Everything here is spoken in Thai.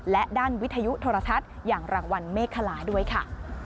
และด้านวิทยุโทรทัศน์อย่างรางวัลเมฆคลาด้วยค่ะ